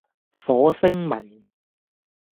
火星文